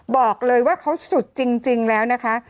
บอกเลยว่าเขาสุดจริงแล้วนะคะ